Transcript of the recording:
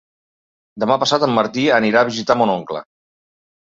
Demà passat en Martí anirà a visitar mon oncle.